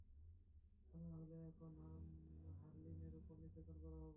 তা না হলে, এখন হারলিনের উপর নির্যাতন করা হবে।